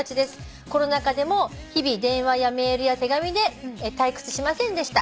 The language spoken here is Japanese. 「コロナ禍でも日々電話やメールや手紙で退屈しませんでした」